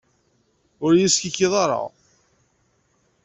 Ur iyi-skikkiḍet ara!